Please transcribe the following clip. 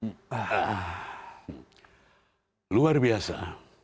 nah luar biasa